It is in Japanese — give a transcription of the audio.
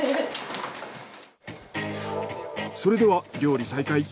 それでは料理再開。